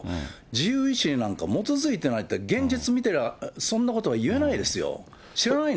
自由意思になんて基づいてないって、現実見てたら、そんなことは言えないですよ。